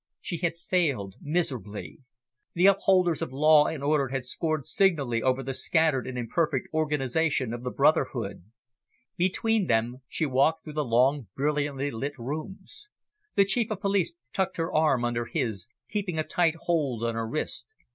She had failed miserably. The upholders of law and order had scored signally over the scattered and imperfect organisation of the brotherhood. Between them, she walked through the long, brilliantly lit rooms. The Chief of Police tucked her arm under his, keeping a tight hold on her wrist.